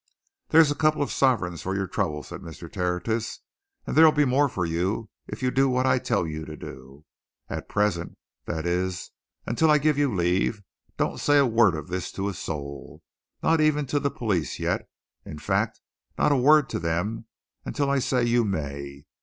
"There's a couple of sovereigns for your trouble," said Mr. Tertius, "and there'll be more for you if you do what I tell you to do. At present that is, until I give you leave don't say a word of this to a soul. Not even to the police yet. In fact, not a word to them until I say you may.